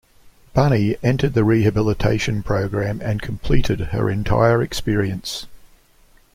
Bunny entered the rehabilitation program and completed her entire experience.